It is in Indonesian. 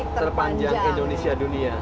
terpanjang indonesia dunia